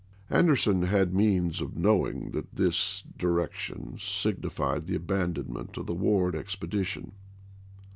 Anderson had means of knowing that this di rection signified the abandonment of the Ward expedition.